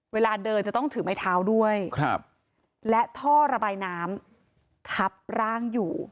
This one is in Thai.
เวลาเดินจะต้องถือไม้เท้าด้วยและท่อระบายน้ำทับร่างอยู่